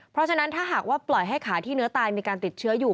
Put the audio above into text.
เพราะฉะนั้นถ้าหากว่าปล่อยให้ขาที่เนื้อตายมีการติดเชื้ออยู่